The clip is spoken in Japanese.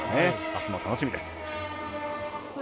あすも楽しみです。